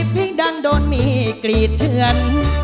เพียงดังโดนมีกลีทชื่อน